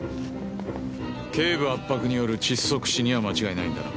頸部圧迫による窒息死には間違いないんだな？